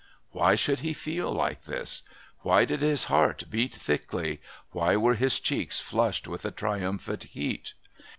Why should he feel like this? Why did his heart beat thickly, why were his cheeks flushed with a triumphant heat?